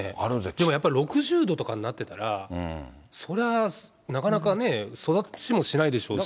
でもやっぱ６０度とかになってたら、そりゃあ、なかなかね、育ちもしないでしょうし。